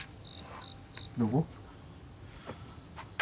どこ？